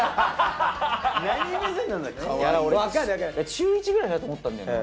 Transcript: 中１くらいだと思ったんだよね。